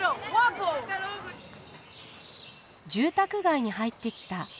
住宅街に入ってきた。